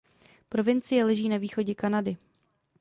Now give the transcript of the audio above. Provincie leží na východě Kanady.